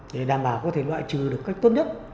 để đảm bảo có thể loại trừ được cách tốt nhất